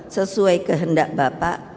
sesuai kehendak bapak